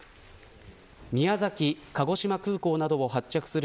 宮崎、鹿児島空港などを発着する